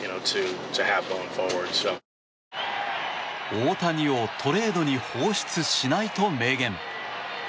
大谷をトレードに放出しないと明言。